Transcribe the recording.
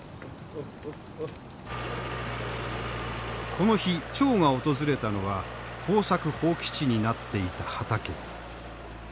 この日張が訪れたのは耕作放棄地になっていた畑。